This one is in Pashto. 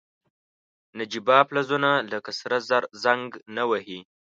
نجیبه فلزونه لکه سره زر زنګ نه وهي.